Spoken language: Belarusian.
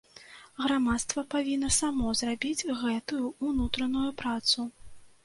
Грамадства павінна само зрабіць гэтую ўнутраную працу.